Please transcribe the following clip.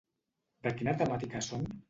De quina temàtica són?